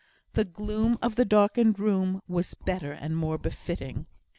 The gloom of the darkened room was better and more befitting.